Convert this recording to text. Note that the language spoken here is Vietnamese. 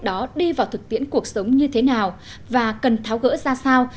đó đi vào thực tiễn cuộc sống như thế nào và cần tháo gỡ ra sao